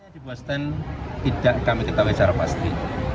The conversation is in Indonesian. di boston tidak kami ketahui secara pasti